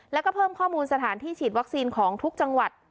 แล้วก็เพิ่มข้อมูลสถานที่ฉีดวัคซีนของทุกจังหวัด